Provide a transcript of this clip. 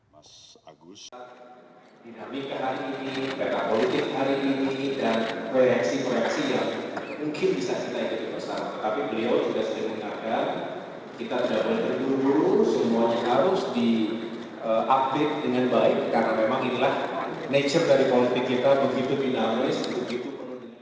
ketua umum partai nasdem surya paloh mengaku belum perlu terburu buru untuk membahas masalah koalisi antara partai nasdem dan demokrat